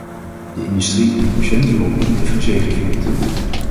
De industrie- en patiëntenlobby heeft gezegevierd.